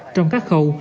trong các khâu